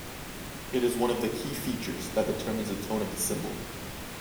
It is one of the key features that determines the tone of the cymbal.